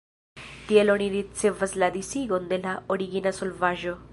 Tiel oni ricevas la disigon de la origina solvaĵo.